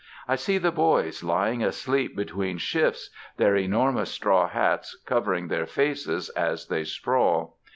I see the boys lying asleep between shifts, their enormous straw hats covering their faces as they sprawl.